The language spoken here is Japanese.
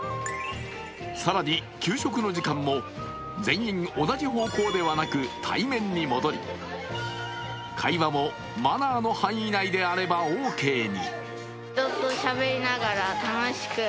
更に、給食の時間も全員同じ方向ではなく対面に戻り、会話もマナーの範囲内であればオーケーに。